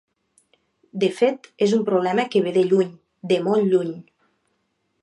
De fet, és un problema que ve de lluny, de molt lluny.